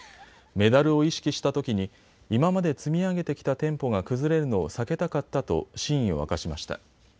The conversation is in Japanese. メダルを意識したときに今まで積み上げてきたテンポが崩れるのを避けたかったと真意をを明かしました。